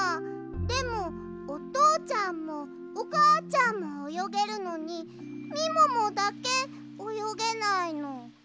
でもおとうちゃんもおかあちゃんもおよげるのにみももだけおよげないの。